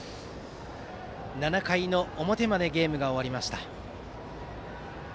７回の表までゲームが終わりました。